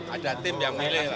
ada tim yang milih